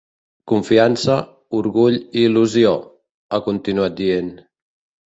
Confiança, orgull i il·lusió –ha continuat dient–.